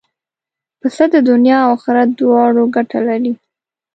پسه د دنیا او آخرت دواړو ګټه لري.